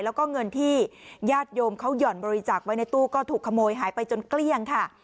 แล้วก็เงินที่ญาติโยมเขาห่อนบริจาคไว้ในตู้ก็ถูกขโมยหายไปจนเกลี้ยงค่ะ